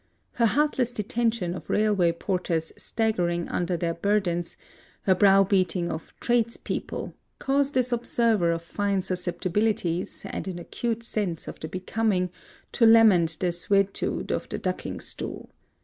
Her heartless detention of railway porters staggering under their burdens, her browbeating of "tradespeople," cause this observer of fine susceptibilities and an acute sense of the becoming to lament the desuetude of the ducking stool.